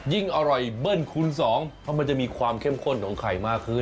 ยิ่งอร่อยเบิ้ลคูณสองเพราะมันจะมีความเข้มข้นของไข่มากขึ้น